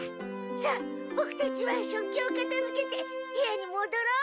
さあボクたちは食器をかたづけて部屋にもどろう。